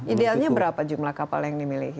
idealnya berapa jumlah kapal yang dimiliki